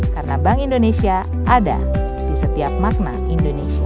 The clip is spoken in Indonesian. karena bank indonesia ada di setiap makna indonesia